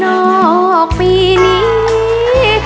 อกปีนี้